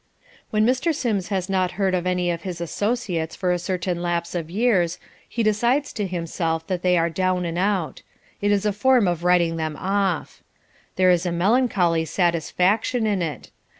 When Mr. Sims has not heard of any of his associates for a certain lapse of years, he decides to himself that they are down and out. It is a form of writing them off. There is a melancholy satisfaction in it.